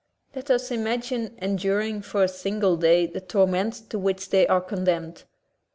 Let us imagine enduring for a single day the torment to which they are condemned.